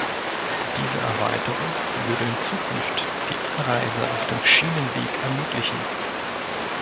Diese Erweiterung würde in Zukunft die Anreise auf dem Schienenweg ermöglichen.